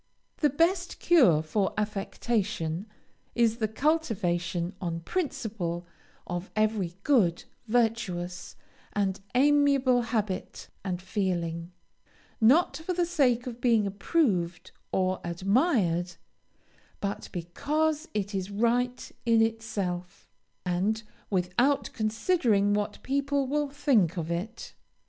The best cure for affectation is the cultivation, on principle, of every good, virtuous, and amiable habit and feeling, not for the sake of being approved or admired, but because it is right in itself, and without considering what people will think of it.